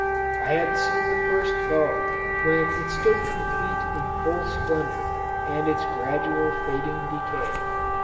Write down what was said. I had seen the first bow when it stood complete in full splendor, and its gradual fading decay.